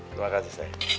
terima kasih sayang